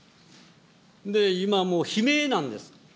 今もう悲鳴なんです。